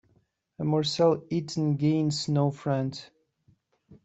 A morsel eaten gains no friend.